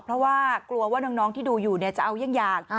เพราะว่ากลัวว่าน้องที่ดูอยู่จะเอายาก